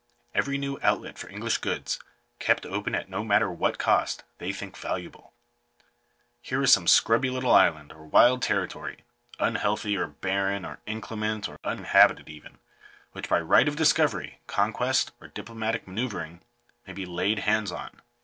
Every new outlet for English goods, kept open at no matter what oost, they think valuable. Here is some scrubby little island, or wild territory — unhealthy, or Digitized by VjOOQIC 362 GOVERNMENT COLONIZATION. barren, or inclement, or uninhabited even — which by right of discovery, conquest, or diplomatic manoeuvring, may be laid hands on.